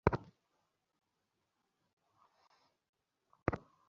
আহা, হাতের অক্ষরের মতো জিনিস আর আছে?